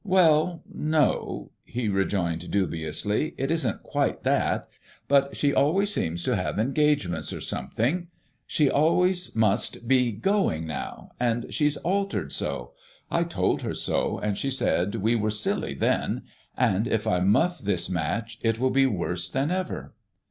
"Well, no," he rejoined dubiously, "it isn't quite that; but she always seems to have engagements or something. She must always 'be going now,' and she's altered so. I told her so, and she said we were silly then; and if I muff this match it will be worse than ever."